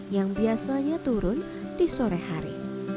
yang biasanya turun di sore hari